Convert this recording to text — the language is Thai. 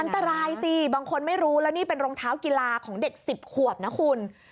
อันตรายสิบางคนไม่รู้แล้วนี่เป็นรองเท้ากีฬาของเด็ก๑๐ขวบนะคุณ